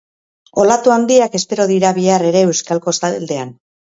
Olatu handiak espero dira bihar ere euskal kostaldean.